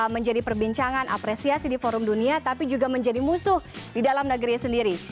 menjadi perbincangan apresiasi di forum dunia tapi juga menjadi musuh di dalam negeri sendiri